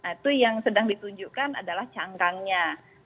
itu yang sedang ditunjukkan adalah cangkangnya